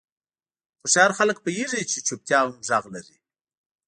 هوښیار خلک پوهېږي چې چوپتیا هم غږ لري.